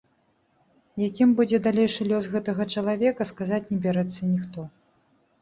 Якім будзе далейшы лёс гэтага чалавека, сказаць не бярэцца ніхто.